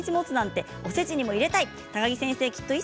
ぜひ、おせちにも入れたい。